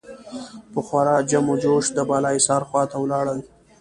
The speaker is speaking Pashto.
په خورا جم و جوش د بالاحصار خوا ته ولاړل.